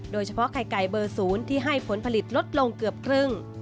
โดยเฉพาะไข่ไก่เบอร์๐ที่ให้ผลผลิตลดลงเกือบครึ่ง